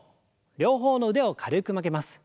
両方の腕を軽く曲げます。